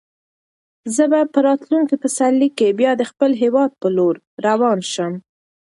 زه به په راتلونکي پسرلي کې بیا د خپل هیواد په لور روان شم.